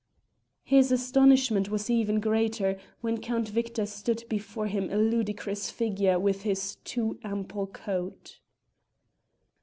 His astonishment was even greater when Count Victor stood before him a ludicrous figure with his too ample coat.